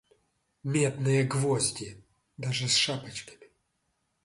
Медные гвозди! даже с шапочками.